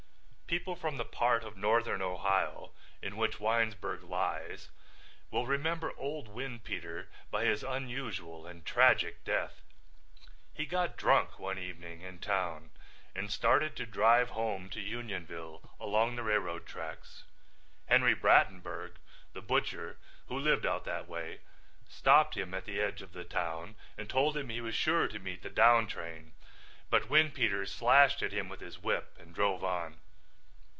People from the part of Northern Ohio in which Winesburg lies will remember old Windpeter by his unusual and tragic death. He got drunk one evening in town and started to drive home to Unionville along the railroad tracks. Henry Brattenburg, the butcher, who lived out that way, stopped him at the edge of the town and told him he was sure to meet the down train but Windpeter slashed at him with his whip and drove on.